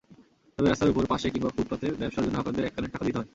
তবে রাস্তার ওপর, পাশে কিংবা ফুটপাতে ব্যবসার জন্য হকারদের এককালীন টাকা দিতে হয়।